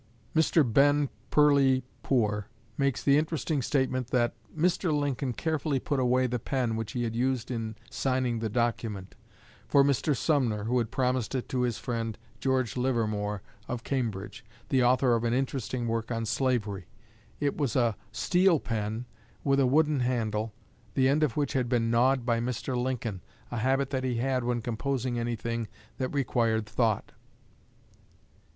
Mr. Ben. Perley Poore makes the interesting statement that "Mr. Lincoln carefully put away the pen which he had used in signing the document, for Mr. Sumner, who had promised it to his friend, George Livermore, of Cambridge, the author of an interesting work on slavery. It was a steel pen with a wooden handle, the end of which had been gnawed by Mr. Lincoln a habit that he had when composing anything that required thought."